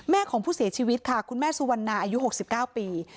ของผู้เสียชีวิตค่ะคุณแม่สุวรรณาอายุ๖๙ปี